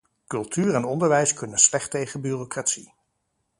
Cultuur en onderwijs kunnen slecht tegen bureaucratie.